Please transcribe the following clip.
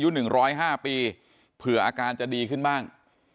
๑๐๕ปีเผื่ออาการจะดีขึ้นบ้าง